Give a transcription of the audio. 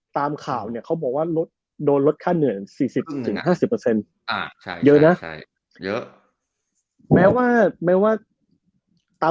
ตามข่าวเนี่ยเขาบอกว่าโดนลดค่าเหนื่อย๔๐๕๐เปอร์เซ็นต์